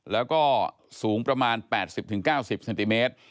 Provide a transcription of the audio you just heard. แล้วก็สูงประมาณ๘๐๙๐เซนติเมตร